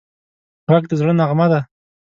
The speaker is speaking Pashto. غږ د زړه نغمه ده